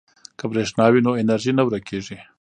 که برښنا وي نو انرژي نه ورکیږي.